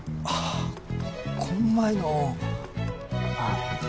ああこん前のあっ